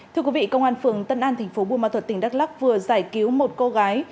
thưa quý vị công an phường tân an tp buôn ma thuật tỉnh đắk lắk vừa giải cứu một cô gái